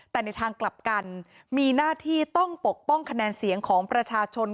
แต่ในทางกลับกันมีหน้าที่ต้องปกป้องคะแนนเสียงของประชาชน